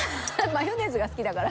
マヨネーズが好きだから。